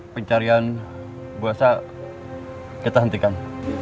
pencarian bu elsa kita hentikan